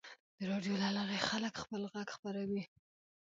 د راډیو له لارې خلک خپل غږ خپروي.